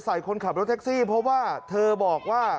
คนขับรถแท็กซี่เพราะว่าเธอบอกว่า